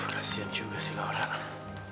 kasian juga si orang